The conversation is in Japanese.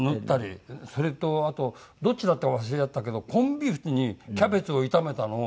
それとあとどっちだったか忘れちゃったけどコンビーフにキャベツを炒めたのをちょうだいしましたよ。